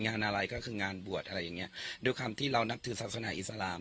งานอะไรก็คืองานบวชอะไรอย่างเงี้ยด้วยความที่เรานับถือศาสนาอิสลาม